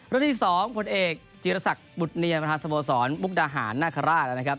ที่๒ผลเอกจีรศักดิ์บุตรเนียมประธานสโมสรมุกดาหารนาคาราชนะครับ